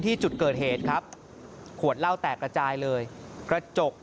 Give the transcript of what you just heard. มันมีปืนมันมีปืน